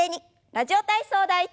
「ラジオ体操第１」。